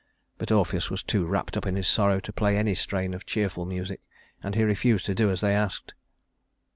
But Orpheus was too wrapped up in his sorrow to play any strain of cheerful music, and he refused to do as they asked.